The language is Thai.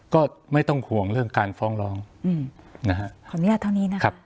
ก็ไม่ต้องห่วงเรื่องการฟ้องร้องอืมนะฮะขออนุญาตเท่านี้นะครับ